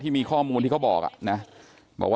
ที่มีข้อมูลที่เขาบอกเนี่ยนะ